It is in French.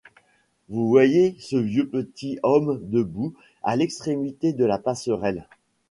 Vous voyez ce vieux petit homme debout à l'extrémité de la passerelle